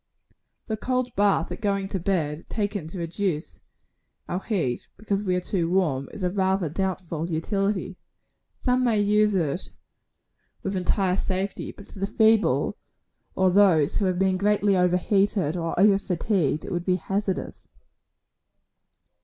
The cold bath at going to bed, taken to reduce our heat, because we are too warm, is of rather doubtful utility. Some may use it with entire safety; but to the feeble, or those who have been greatly over heated or over fatigued, it would be hazardous.